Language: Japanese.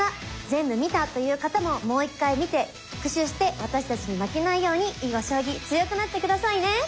全部見たという方ももう１回見て復習して私たちに負けないように囲碁将棋強くなって下さいね！